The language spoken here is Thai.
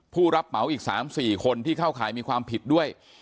ผู้รับเหมาอีก๓๔คนที่เข้าข่ายมีความผิดด้วย